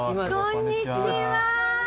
こんにちは。